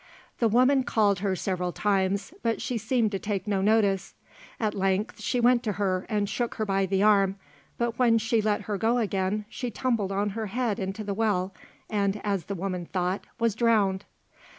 The woman called her several times, but she seemed to take no notice; at length she went to her and shook her by the arm, but when she let her go again, she tumbled on her head into the well, and, as the woman thought, was drowned.